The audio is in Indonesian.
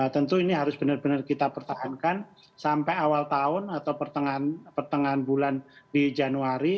tentu ini harus benar benar kita pertahankan sampai awal tahun atau pertengahan bulan di januari